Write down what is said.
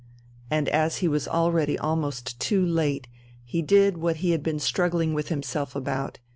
And as he was already almost too late, he did what he had been struggling with himself about.